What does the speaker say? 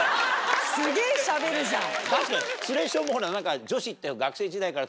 すげぇしゃべるじゃん。